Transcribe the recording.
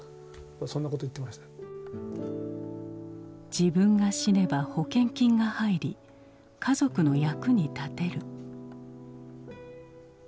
自分が死ねば保険金が入り家族の役に立てる。